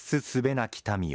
なき民よ